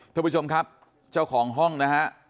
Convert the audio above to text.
ท่านผู้ชมครับเจ้าของห้องนะฮะ